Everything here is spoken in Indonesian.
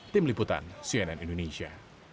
tim liputan cnn indonesia